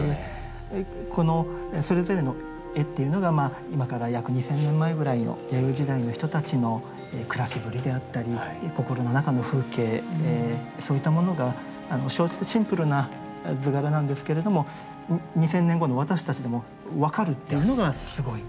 このそれぞれの絵というのが今から約２，０００年前ぐらいの弥生時代の人たちの暮らしぶりであったり心の中の風景そういったものがシンプルな図柄なんですけれども２，０００年後の私たちでも分かるというのがすごい。